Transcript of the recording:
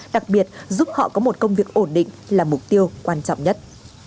đặc biệt giúp họ có một công việc ổn định là mục tiêu quan trọng nhất